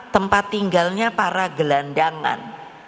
tempat tinggalnya para gelandangan